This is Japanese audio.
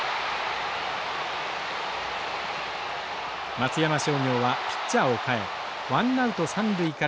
松山商業はピッチャーを代えワンナウト三塁から満塁策。